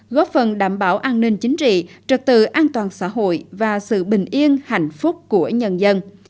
góp phần đảm bảo an ninh chính trị trật tự an toàn xã hội và sự bình yên hạnh phúc của nhân dân